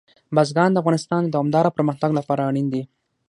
بزګان د افغانستان د دوامداره پرمختګ لپاره اړین دي.